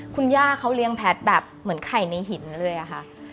คุณย่าเขาเลี้ยงแพทย์แบบเหมือนไข่ในหินเลยอะค่ะ